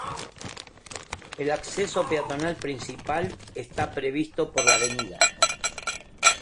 El acceso peatonal principal está previsto por la Av.